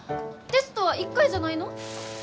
テストは１回じゃないの？